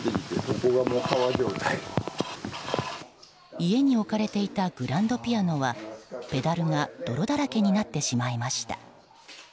家に置かれていたグランドピアノはペダルが泥だらけになってしまいました。